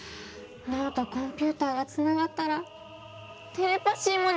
脳とコンピューターがつながったらテレパシーもできちゃったりして。